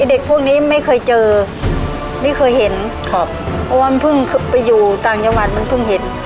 เด็กพวกนี้ไม่เคยเจอไม่เคยเห็นครับเพราะว่ามันเพิ่งไปอยู่ต่างจังหวัดมันเพิ่งเห็น